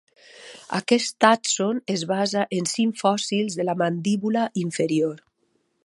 Aquest tàxon es basa en cinc fòssils de la mandíbula inferior.